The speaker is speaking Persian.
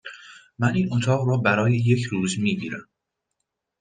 من این اتاق را برای یک روز می گیرم.